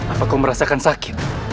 apa kau merasakan sakit